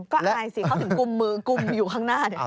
ก็อายสิเขาถึงกุมมือกุมอยู่ข้างหน้า